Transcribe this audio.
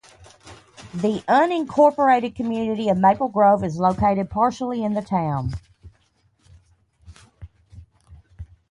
The unincorporated community of Maple Grove is located partially in the town.